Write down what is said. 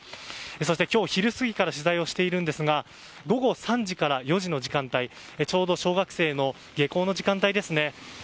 そして今日、昼過ぎから取材をしていますが午後３時から４時の時間帯ちょうど小学生の下校の時間帯ですね。